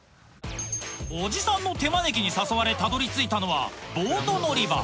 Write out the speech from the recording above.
おじさんの手招きに誘われたどり着いたのはボート乗り場